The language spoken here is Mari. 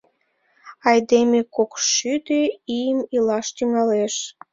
Айдеме кокшӱдӧ ийым илаш тӱҥалеш.